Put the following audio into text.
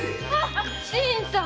新さん。